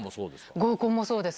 合コンもそうです。